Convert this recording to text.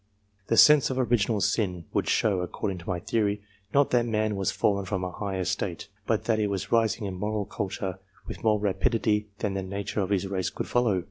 The sense of original sin would show, according to my theory, not that man was fallen from a high estate, but i S that he was rising in moral culture with more rapidity than ^ the nature of his race could follow.